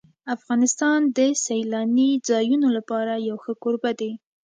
افغانستان د سیلاني ځایونو لپاره یو ښه کوربه دی.